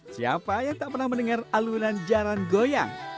siapa yang tak pernah mendengar alunan jalan goyang